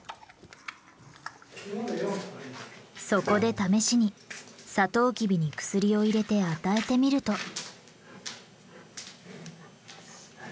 そこで試しにサトウキビに薬を入れて与えてみると。